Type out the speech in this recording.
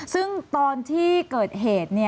ซึ่งตอนที่เกิดเหตุ